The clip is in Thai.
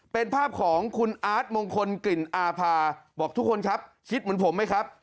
เป็นภาพของคุณอาร์ตมงคลกลิ่นอาภาบอกทุกคนครับคิดเหมือนผมไหมครับ